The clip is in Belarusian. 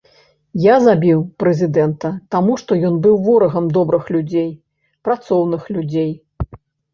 Я забіў прэзідэнта, таму што ён быў ворагам добрых людзей, працоўных людзей.